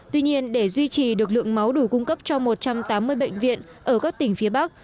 tuy nhiên để duy trì được lượng máu đủ cung cấp cho một trăm tám mươi bệnh viện ở các tỉnh phía bắc